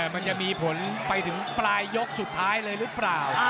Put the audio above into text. มันจะมีผลไปถึงปลายยกสุดท้ายเลยหรือเปล่า